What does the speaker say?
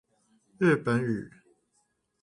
日本語